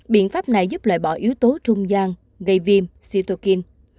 biện pháp này giúp loại bỏ yếu tố trung gian gây viêm sitokin